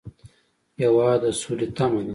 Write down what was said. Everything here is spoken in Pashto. هېواد د سولې تمه ده.